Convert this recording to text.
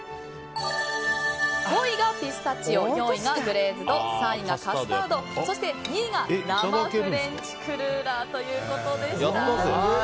５位がピスタチオ４位がグレーズド３位がカスタードそして２位が生フレンチクルーラーということでした。